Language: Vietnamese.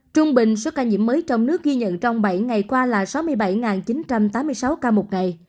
trung bình số ca nhiễm mới trong nước ghi nhận trong bảy ngày qua là sáu mươi bảy chín trăm tám mươi sáu ca một ngày